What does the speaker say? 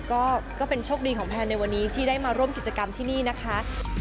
ก็เป็นโชคดีของแพนในวันนี้ที่ได้มาร่วมกิจกรรมที่นี่นะคะ